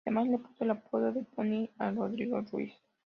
Además le puso el apodo de "Pony" a Rodrigo Ruíz.